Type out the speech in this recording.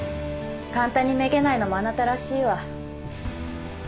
簡単にめげないのもあなたらしいわ。